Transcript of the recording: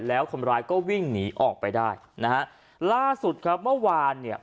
แล้วคนร้ายก็วิ่งหนีออกไปได้นะฮะล่าสุดครับเมื่อวานเนี่ย